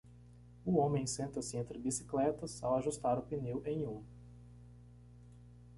O homem senta-se entre bicicletas ao ajustar o pneu em um.